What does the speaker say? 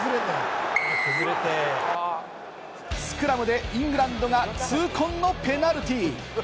スクラムでイングランドが痛恨のペナルティー。